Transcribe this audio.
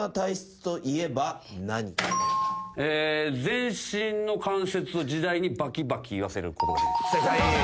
全身の関節を自在にバキバキいわせることができる。